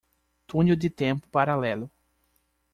Túnel de tempo paralelo